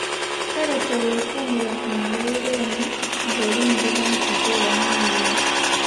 Kale teweekuumira ku mbeera emu ng'olumiriza nti gye wamanyiira.